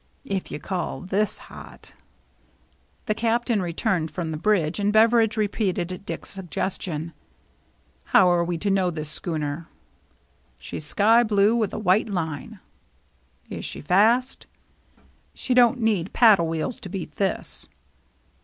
"If you call this hot." The Captain returned from the bridge, and Beveridge repeated Dick's suggestion. " How are we to know this schooner ?"" She's sky blue with a white line." "Is she fast?" " She don't need paddle wheels to beat this."